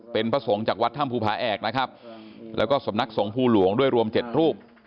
เป็นพระสงฆ์จากวัดถ้ำภูผาแอกนะครับแล้วก็สำนักสงภูหลวงด้วยรวม๗รูป